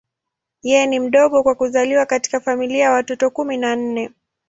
Yeye ni mdogo kwa kuzaliwa katika familia ya watoto kumi na nne.